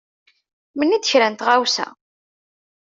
Menni-d kra n tɣawsa.